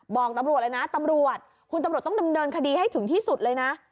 บอกตำรวจเลยนะตำรวจคุณตำรวจต้องดำเนินคดีให้ถึงที่สุดเลยนะ